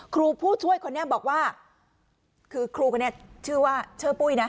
ครูผู้ช่วยคนนี้บอกว่าคือครูคนนี้ชื่อว่าชื่อปุ้ยนะ